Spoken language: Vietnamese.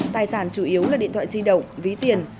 tài sản chủ yếu là điện thoại di động ví tiền